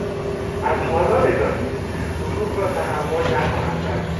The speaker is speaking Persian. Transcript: از حالا بدانید ـ دروغ را تحمل نخواهم کرد!